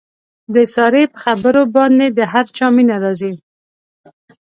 د سارې په خبرو باندې د هر چا مینه راځي.